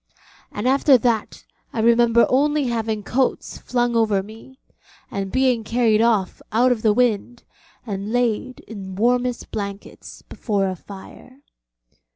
And after that I remember only having coats flung over me, and being carried off out of the wind, and laid in warmest blankets before a fire.